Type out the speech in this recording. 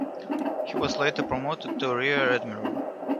He was later promoted to rear admiral.